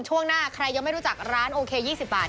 ช่วงหน้าใครยังไม่รู้จักร้านโอเค๒๐บาท